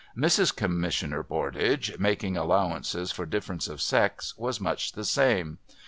Mrs. Commissioner Pordage, making allowance for difference of sex, was much the same.